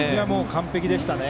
完璧でしたね。